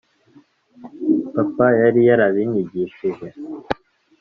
papa yari yarabinyigishije